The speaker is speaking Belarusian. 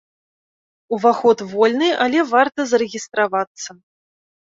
Уваход вольны, але варта зарэгістравацца.